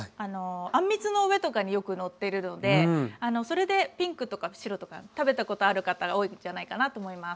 あんみつの上とかによくのってるのでそれでピンクとか白とか食べたことある方が多いんじゃないかなと思います。